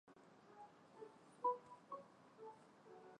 阿巴拉契科拉河流域是密西西比河以东最生物多样化的地区